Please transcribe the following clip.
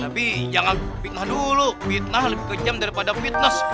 tapi jangan fitnah dulu fitnah lebih kejam daripada fitness